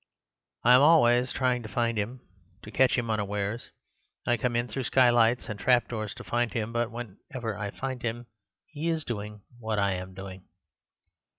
"'I am always trying to find him—to catch him unawares. I come in through skylights and trapdoors to find him; but whenever I find him—he is doing what I am doing.